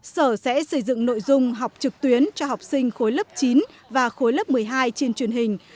sở sẽ xây dựng nội dung học trực tuyến cho học sinh khối lớp chín và khối lớp một mươi hai trên truyền hình